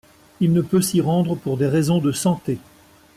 Il ne peut s'y rendre pour des raisons de santé.